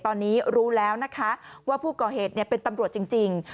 ตอนนี้รู้แล้วนะคะว่าผู้ก่อเหตุเป็นตำรวจจริง